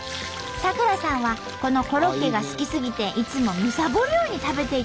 咲楽さんはこのコロッケが好きすぎていつも貪るように食べていたそうなんですが。